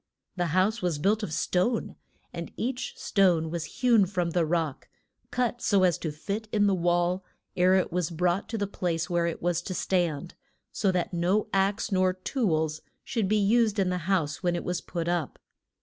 The house was built of stone, and each stone was hewn from the rock, cut so as to fit in the wall ere it was brought to the place where it was to stand, so that no ax nor tools should be used in the house when it was put up.